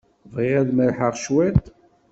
Bɣiɣ ad merrḥeɣ cwiṭ.